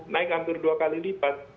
naik hampir dua kali lipat